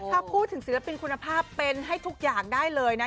ถ้าพูดถึงศิลปินคุณภาพเป็นให้ทุกอย่างได้เลยนะ